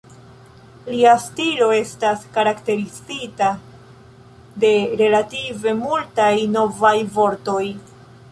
Lia stilo estas karakterizita de relative multaj "novaj" vortoj.